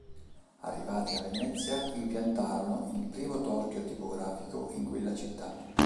Arrivati a Venezia, impiantarono il primo torchio tipografico in quella città.